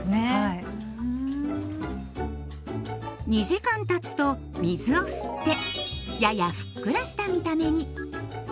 ２時間たつと水を吸ってややふっくらした見た目に。